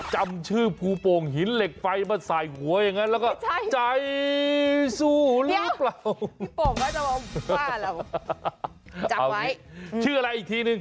ชื่ออะไรอีกทีนึง